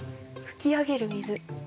噴き上げる水。